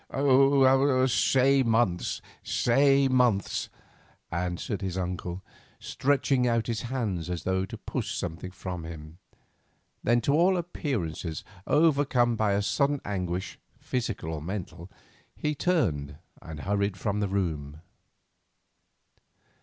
"Say months, say months," answered his uncle, stretching out his hands as though to push something from him. Then, to all appearances overcome by a sudden anguish, physical or mental, he turned and hurried from the room.